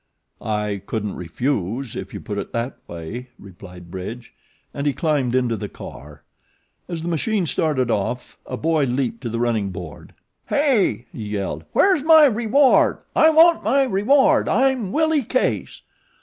"I couldn't refuse, if you put it that way," replied Bridge; and he climbed into the car. As the machine started off a boy leaped to the running board. "Hey!" he yelled, "where's my reward? I want my reward. I'm Willie Case."